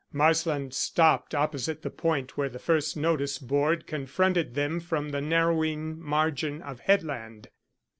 Marsland stopped opposite the point where the first notice board confronted them from the narrowing margin of headland.